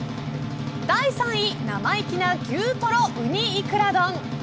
第３位生粋な牛トロ雲丹いくら丼。